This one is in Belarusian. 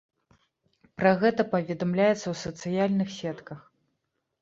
Пра гэта паведамляецца ў сацыяльных сетках.